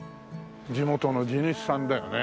地元の地主さんだよね。